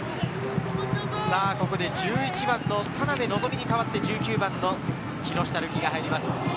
ここで１１番の田邉望に代わって１９番の木下瑠己が入ります。